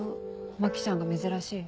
牧ちゃんが珍しい。